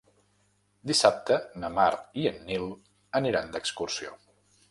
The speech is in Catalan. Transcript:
Dissabte na Mar i en Nil aniran d'excursió.